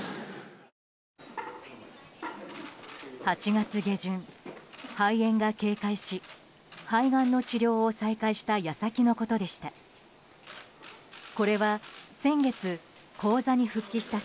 ８月下旬、肺炎が軽快し肺がんの治療を再開した矢先のことでした。